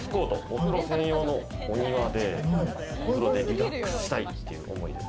お風呂専用のお庭で、リラックスしたいという思いで。